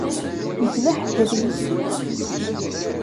Nekk d aḥedri.